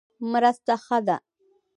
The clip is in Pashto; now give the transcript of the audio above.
مرسته ښه ده.